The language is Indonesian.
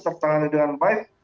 tertangani dengan baik